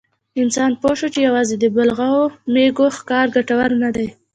انسان پوه شو چې یواځې د بالغو مېږو ښکار ګټور نه دی.